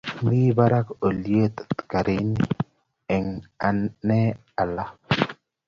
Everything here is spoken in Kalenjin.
Mi barak olyetab garini eng ane aal